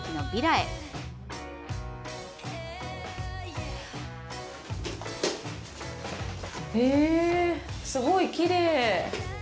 へぇぇ、すごいきれい！